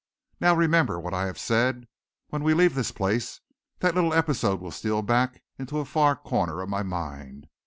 Now remember what I have said. When we leave this place, that little episode will steal back into a far corner of my mind.